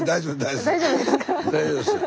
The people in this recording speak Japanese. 大丈夫ですか。